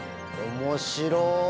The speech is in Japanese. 面白い。